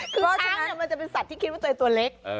คือซ้ำมันจะเป็นสัตว์ที่คิดว่าตัวเล็ก